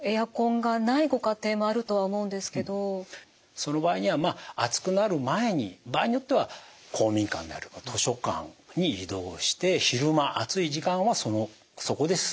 その場合には暑くなる前に場合によっては公民館であるとか図書館に移動して昼間暑い時間はそこで過ごすと。